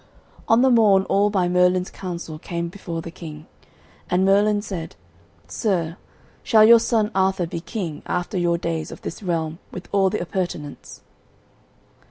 On the morn all by Merlin's counsel came before the King, and Merlin said: "Sir, shall your son Arthur be king, after your days, of this realm with all the appurtenance?"